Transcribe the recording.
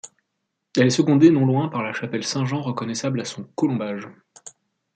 Elle est secondée, non loin, par la chapelle Saint-Jean reconnaissable à son colombage.